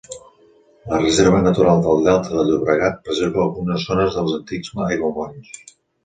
La Reserva Natural del Delta del Llobregat preserva algunes zones dels antics aiguamolls.